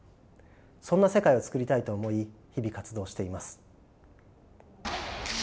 そんな世界を作りたいと思い日々活動しています。